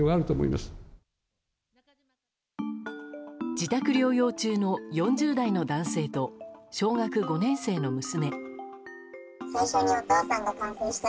自宅療養中の４０代の男性と小学５年生の娘。